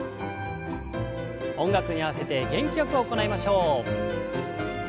音楽に合わせて元気よく行いましょう。